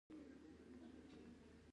آیا موږ له ایران بریښنا اخلو؟